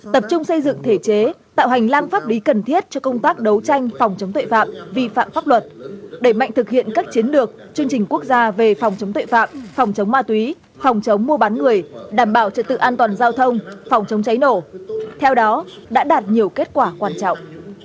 tập trung xây dựng thể chế tạo hành lang pháp lý cần thiết cho công tác đấu tranh phòng chống tội phạm vi phạm pháp luật để mạnh thực hiện các chiến lược chương trình quốc gia về phòng chống tội phạm vi phạm pháp luật theo đó đã đạt nhiều kết quả quan trọng